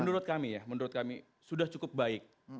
menurut kami ya menurut kami sudah cukup baik